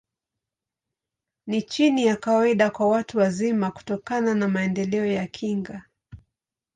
Ni chini ya kawaida kwa watu wazima, kutokana na maendeleo ya kinga.